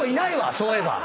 そういえば。